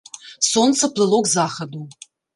Сонца плыло к захаду.